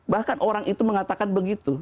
bahkan orang itu mengatakan begitu